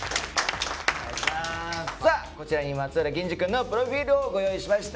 さあこちらに松浦銀志くんのプロフィールをご用意しました。